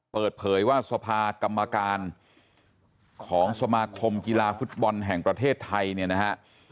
เปิดเผยว่าสภากรรมการของสมาคมกีฬาฟุตบอลแห่งประเทศไทยเนี่ยนะฮะ